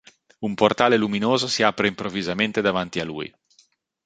Un portale luminoso si apre improvvisamente davanti a lui.